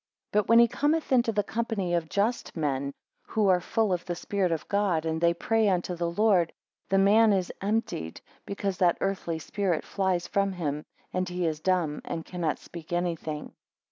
But when he cometh into the company of just men, who are full of the spirit of God, and they pray unto the Lord; that man is emptied, because that earthly spirit flies from him, and he is dumb, and cannot speak anything.